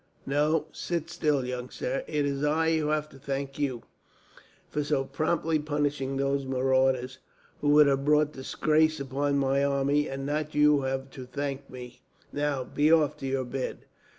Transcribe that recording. "No, sit still, young sir. It is I who have to thank you, for so promptly punishing these marauders, who would have brought disgrace upon my army; and not you who have to thank me. Now, be off to your bed."